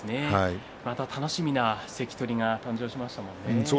また楽しみな関取が誕生しましたね。